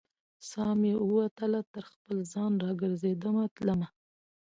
سا مې وتله تر خپل ځان، را ګرزیدمه تلمه